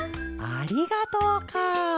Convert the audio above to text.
「ありがとう」かあ！